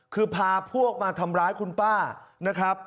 คือพาพวกมาทำร้ายคุณป้านะครับ